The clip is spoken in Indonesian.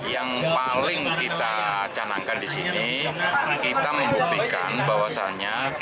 yang paling kita canangkan di sini kita membuktikan bahwasannya